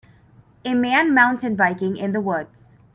A man mountain biking in the woods.